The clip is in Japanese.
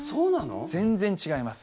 全然違います。